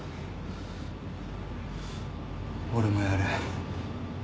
俺もやる。